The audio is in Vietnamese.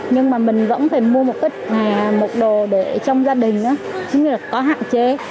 nhưng mà mình vẫn phải mua một đồ để trong gia đình chứ không có hạn chế